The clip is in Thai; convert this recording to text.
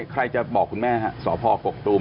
ใครจะบอกคุณแม่สพกกตูม